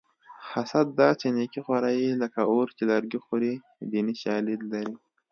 حسد داسې نیکي خوري لکه اور چې لرګي خوري دیني شالید لري